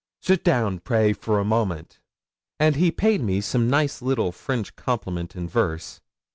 Sit down, pray, for a moment." 'And he paid me some nice little French compliment in verse.